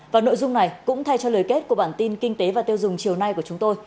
và nội dung này cũng thay cho lời kết của bản tin kinh tế và tiêu dùng chiều nay của chúng tôi